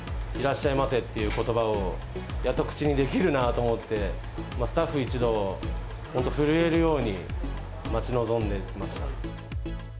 しゃませっていうことばをやっと口にできるなと思って、スタッフ一同、本当、震えるように待ち望んでいました。